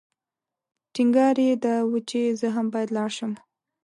ټینګار یې دا و چې زه هم باید لاړ شم.